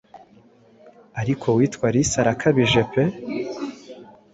Ariko uwitwa Alice arakabije pe